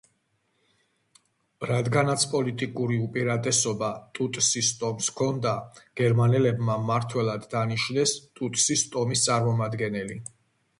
რადგანაც პოლიტიკური უპირატესობა ტუტსის ტომს ჰქონდა, გერმანელებმა მმართველად დანიშნეს ტუტსის ტომის წარმომადგენელი.